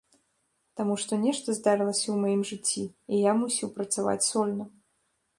Таму што нешта здарылася ў маім жыцці і я мусіў працаваць сольна.